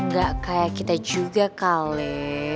gak kayak kita juga kale